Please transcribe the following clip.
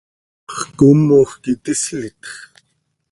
¿Xcoomoj quih tislitx?